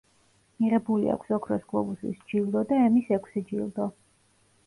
მიღებული აქვს ოქროს გლობუსის ჯილდო და ემის ექვსი ჯილდო.